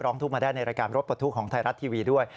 ทุกข์มาได้ในรายการรถปลดทุกข์ของไทยรัฐทีวีด้วย